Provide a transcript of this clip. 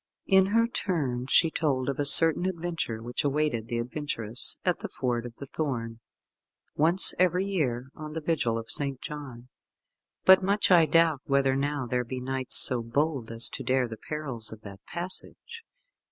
In her turn she told of a certain adventure which awaited the adventurous at the Ford of the Thorn, once every year, on the vigil of St. John, "but much I doubt whether now there be knights so bold as to dare the perils of that passage."